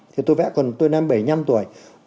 thì tôi vẽ còn tôi năm bảy mươi năm tuổi